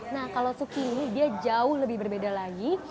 nah kalau tukini dia jauh lebih berbeda lagi